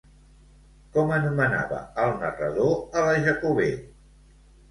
Com anomenava el narrador a la Jacobè?